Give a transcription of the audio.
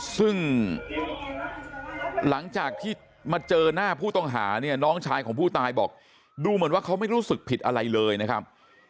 ซึ่งหลังจากที่มาเจอหน้าผู้ต้องหาเนี่ยน้องชายของผู้ตายบอกดูเหมือนว่าเขาไม่รู้สึกผิดอะไรเลยนะครับ